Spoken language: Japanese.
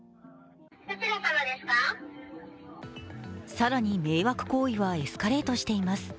更に、迷惑行為はエスカレートしています。